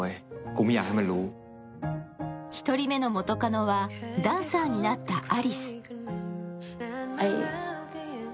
１人目の元カノはダンサーになったアリス。